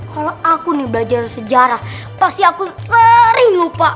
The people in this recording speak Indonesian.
kalau aku nih belajar sejarah pasti aku sering lupa